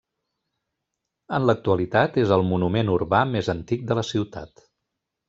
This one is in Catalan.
En l'actualitat, és el monument urbà més antic de la ciutat.